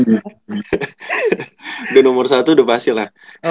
udah nomor satu udah pas lah